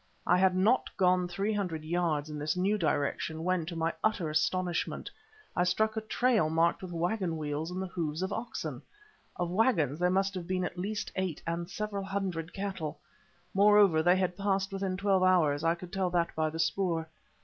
I had not gone three hundred yards in this new direction when, to my utter astonishment, I struck a trail marked with waggon wheels and the hoofs of oxen. Of waggons there must have been at least eight, and several hundred cattle. Moreover, they had passed within twelve hours; I could tell that by the spoor.